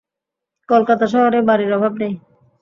কলকাতা শহরে বাড়ির অভাব নেই।